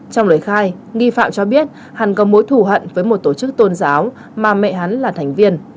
trong lời khai nghi phạm cho biết hắn có mối thủ hận với một tổ chức tôn giáo mà mẹ hắn là thành viên